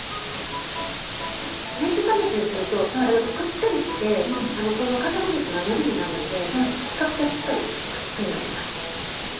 レンジ加熱するとくったりしてかたくり粉がのりになるので比較的しっかりくっつくようになります。